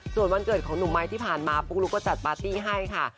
ส่วนวันเกิดของหนุ่มไม้ที่ผ่านมาปุ๊กลุ๊กก็จัดปาร์ตี้ให้ค่ะ